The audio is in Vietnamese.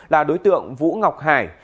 là đối tượng vũ ngọc hải